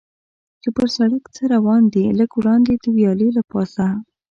چې پر سړک څه روان دي، لږ وړاندې د ویالې له پاسه.